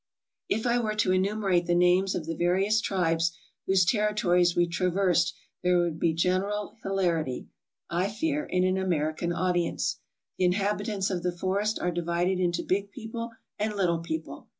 If I were to enumerate the names of the various tribes whose territories we traversed there would be general hilarity, I fear, in an American audience. The inhabitants of the. forest are divided into big people and little people.